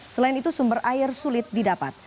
selain itu sumber air sulit didapat